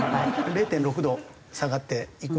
０．６度下がっていくので。